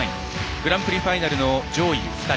グランプリファイナルの上位２人。